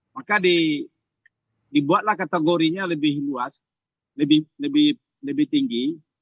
maka dibuatlah kategorinya lebih luas lebih tinggi